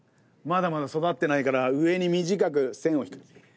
まだまだ育ってないから上に短く線を引く。